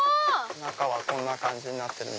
中はこんな感じになってる。